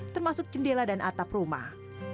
termasuk jendela dan atap rumah